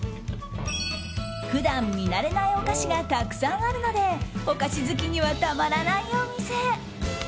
普段、見慣れないお菓子がたくさんあるのでお菓子好きにはたまらないお店。